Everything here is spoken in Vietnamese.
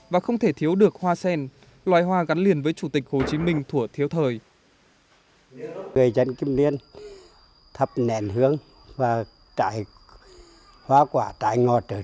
và không thể thiếu được hoa sen loài hoa gắn liền với chủ tịch hồ chí minh thủa thiếu thời